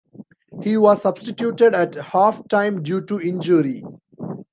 He was substituted at half-time due to injury.